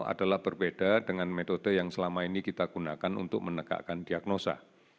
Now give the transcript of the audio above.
adalah berbeda dengan metode yang selama ini kita gunakan untuk menegakkan diagnosa